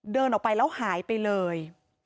เดินออกไปแล้วหายไปเลย